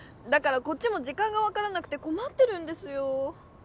だからこっちもじかんがわからなくてこまってるんですよ